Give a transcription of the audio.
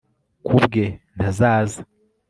ku bwe, ntazaza